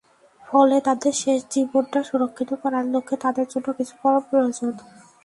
ফলে তাদের শেষ জীবনটা সুরক্ষিত করার লক্ষ্যে তাদের জন্য কিছু করা প্রয়োজন।